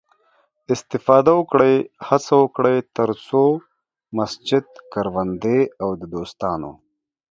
استفاده وکړئ، هڅه وکړئ، تر څو مسجد، کروندې او د دوستانو